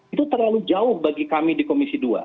itu terlalu jauh bagi kami di komisi dua